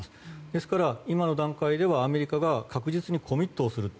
ですから今の段階ではアメリカが確実にコミットをする。